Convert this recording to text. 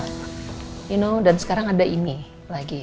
you know dan sekarang ada ini lagi